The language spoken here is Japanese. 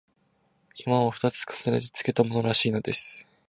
「山」を二つ重ねてつけたものらしいのです